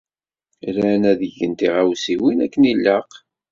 Ran ad gen tiɣawsiwin akken ilaq.